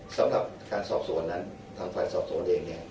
สำหรับการสอบสวนนั้นทางฝ่ายสอบสวนเองเนี่ย